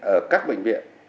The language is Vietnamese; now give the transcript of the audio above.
ở các bệnh viện